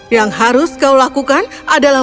yang harus kau lakukan adalah